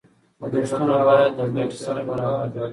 لګښتونه باید له ګټې سره برابر وي.